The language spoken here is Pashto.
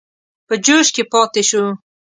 په جوش کې پاته شو.